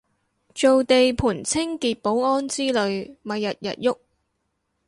做地盤清潔保安之類咪日日郁